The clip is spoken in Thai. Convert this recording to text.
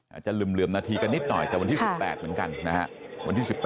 อาจจะลืมลืมนาฬิกานิดหน่อยแต่วัน๑๘เดือน๗นะครับ